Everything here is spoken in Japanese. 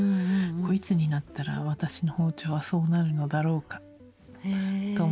こういつになったら私の包丁はそうなるのだろうかと思って眺めたりとか。